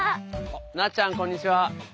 なっちゃんこんにちは。